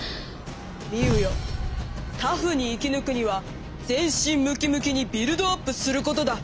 「ミウよタフに生きぬくには全身ムキムキにビルドアップすることだ」。